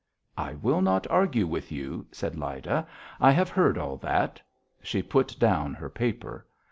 "I will not argue with you," said Lyda. "I have heard all that." She put down her paper.